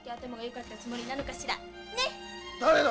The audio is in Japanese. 誰だ？